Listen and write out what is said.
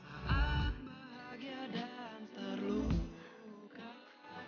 apa yang terjadi bulan